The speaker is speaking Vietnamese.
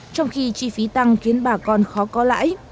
trong khi chi phí tăng khiến bà con khó có lãi